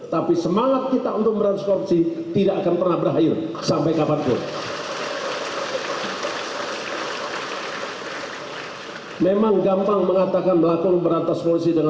tapi semangat kita untuk meransi korupsi tidak akan pernah berakhir